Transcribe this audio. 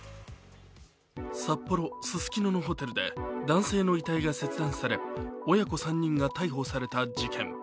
札幌・ススキノのホテルで男性の遺体が切断され、親子３人が逮捕された事件。